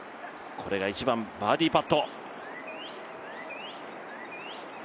これが１番、バーディーパット。